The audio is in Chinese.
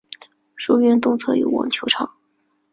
书院东侧有网球场。